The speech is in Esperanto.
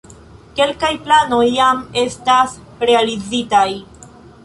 Kelkaj planoj jam estas realizitaj.